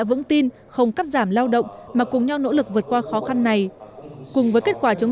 vững tin không cắt giảm lao động mà cùng nhau nỗ lực vượt qua khó khăn này cùng với kết quả chống